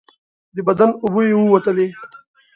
د بدن اوبه یې ووتلې.